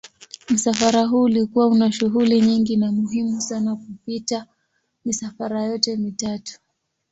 Msafara huu ulikuwa una shughuli nyingi na muhimu sana kupita misafara yote mitatu.